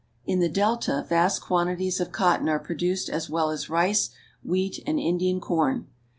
In the delta vast quantities of cotton are produced as well as rice, wheat, and Indian corn.